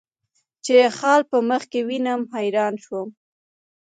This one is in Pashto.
چې یې خال په مخ کې وینم، حیران شوم.